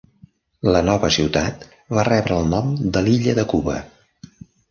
La nova ciutat va rebre el nom de l'illa de Cuba.